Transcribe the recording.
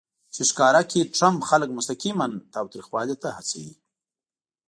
چې ښکاره کړي ټرمپ خلک مستقیماً تاوتریخوالي ته هڅوي